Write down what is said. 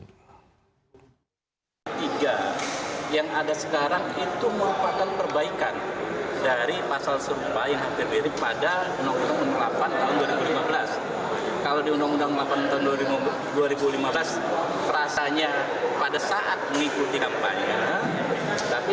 dua ribu lima belas rasanya pada saat mengikuti kampanye tapi di undang undang yang sekarang selama masa kampanye